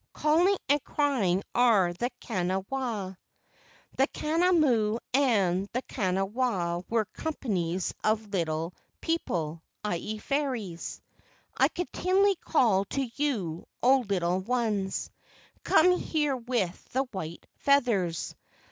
Calling and crying are the Kana wa. [The Kana mu and the Kana wa were companies of little people, i.e., fairies.] I continually call to you, O little ones, Come here with the white feathers.